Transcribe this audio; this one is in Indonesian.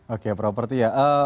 oke properti ya